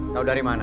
tau dari mana